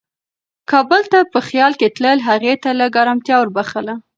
کابل ته په خیال کې تلل هغې ته لږ ارامتیا وربښله.